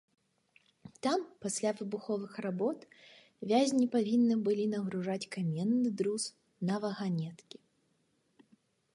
Там пасля выбуховых работ вязні павінны былі нагружаць каменны друз на ваганеткі.